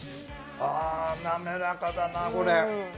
あなめらかだなこれ。